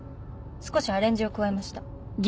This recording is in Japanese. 少しアレンジを加えました。